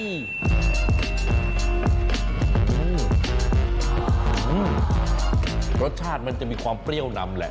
รสชาติมันจะมีความเปรี้ยวนำแหละ